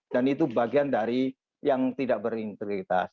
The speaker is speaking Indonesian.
dan itu bagian dari yang tidak berintegritas